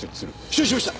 承知しました。